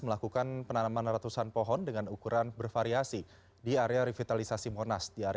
melakukan penanaman ratusan pohon dengan ukuran bervariasi di area revitalisasi monas